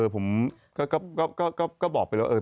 ผมไม่ได้ติด